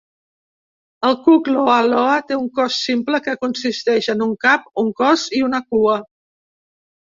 El cuc "loa loa" té un cos simple que consisteix en un cap, un cos i una cua.